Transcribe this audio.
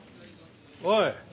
おい。